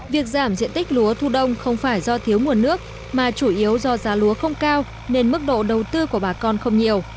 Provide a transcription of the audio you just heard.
việc giảm diện tích lúa thu đông không phải do thiếu nguồn nước mà chủ yếu do giá lúa không cao nên mức độ đầu tư của bà con không nhiều